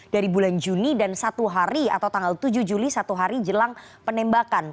dari bulan juni dan satu hari atau tanggal tujuh juli satu hari jelang penembakan